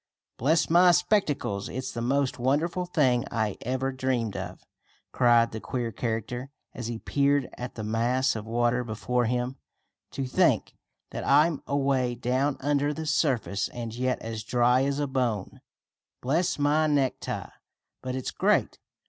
"Bless my spectacles, it's the most wonderful thing I ever dreamed of!" cried the queer character, as he peered at the mass of water before him. "To think that I'm away down under the surface, and yet as dry as a bone. Bless my necktie, but it's great!